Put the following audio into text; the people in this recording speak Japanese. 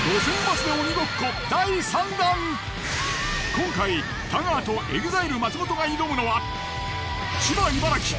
今回太川とＥＸＩＬＥ松本が挑むのは。